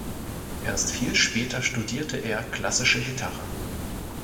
Erst viel später studierte er klassische Gitarre.